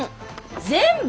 全部！？